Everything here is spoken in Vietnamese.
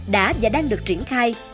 đã và đang được triển khai